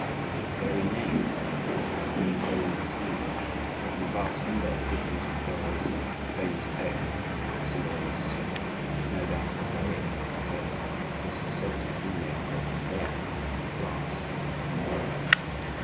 The very name has been so long disused, that in a vast number of editions of Perrault's famous tale, Cinderella's slipper, which was no doubt of vair (the fur), is said to have been made of verre (glass).